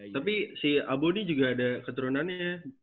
tapi si abo nih juga ada keturunannya